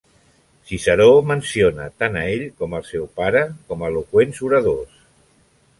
Ciceró menciona, tant a ell com al seu pare com a eloqüents oradors.